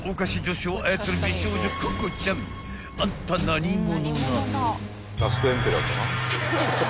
［あんた何者なの？］